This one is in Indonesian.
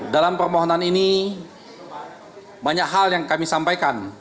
dalam permohonan ini banyak hal yang kami sampaikan